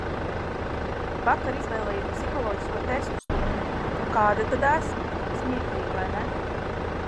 Vakar izvēlējos psiholoģisko testu stundu, nu kāda tad esmu. Smieklīgi, vai ne?